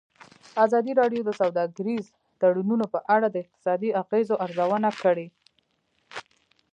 ازادي راډیو د سوداګریز تړونونه په اړه د اقتصادي اغېزو ارزونه کړې.